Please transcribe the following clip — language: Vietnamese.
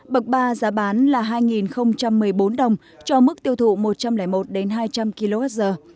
bậc ba giá bán là hai một mươi bốn đồng cho mức tiêu thụ một trăm linh một đến hai trăm linh kwh